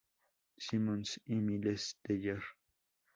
Simmons y Miles Teller".